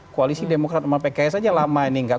koalisi demokrat sama pks aja lama ini gak kena